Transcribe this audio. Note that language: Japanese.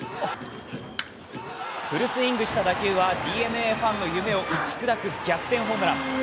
フルスイングした打球はＤｅＮＡファンの夢を打ち砕く逆転ホームラン。